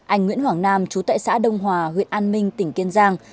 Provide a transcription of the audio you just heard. anh nguyễn hoàng nam chú tại xã đông hòa huyện an minh tỉnh kiên giang